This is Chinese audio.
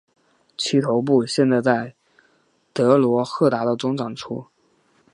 其头部现在在德罗赫达的中展出。